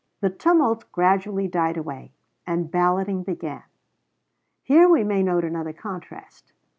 The tumult gradually died away, and balloting began. Here we may note another contrast.